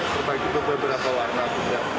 terbagi beberapa warna juga